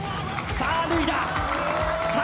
さあ脱いだ！